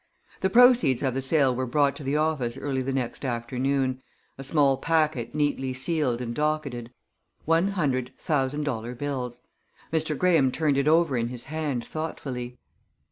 The proceeds of the sale were brought to the office early the next afternoon, a small packet neatly sealed and docketed one hundred thousand dollar bills. Mr. Graham turned it over in his hand thoughtfully.